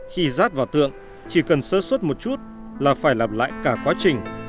khi rát vào tượng chỉ cần sơ xuất một chút là phải làm lại cả quá trình